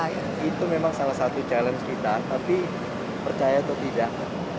itu memang salah satu challenge kita tapi percaya atau tidak